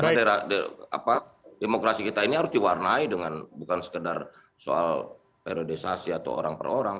karena demokrasi kita ini harus diwarnai dengan bukan sekedar soal periodisasi atau orang per orang